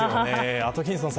アトキンソンさん